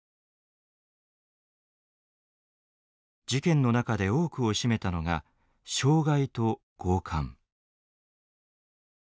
事件の中で多くを占めたのが傷害と強姦。